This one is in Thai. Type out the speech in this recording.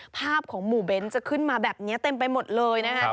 ภาพของหมู่เบ้นจะขึ้นมาแบบนี้เต็มไปหมดเลยนะครับ